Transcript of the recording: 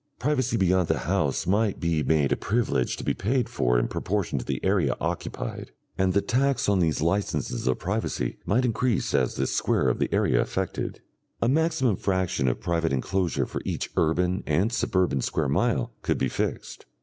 Privacy beyond the house might be made a privilege to be paid for in proportion to the area occupied, and the tax on these licences of privacy might increase as the square of the area affected. A maximum fraction of private enclosure for each urban and suburban square mile could be fixed.